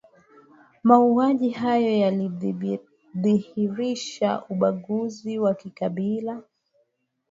mauaji hayo yalidhihirisha ubaguzi wa kikabila